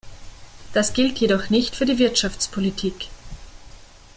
Das gilt jedoch nicht für die Wirtschaftspolitik.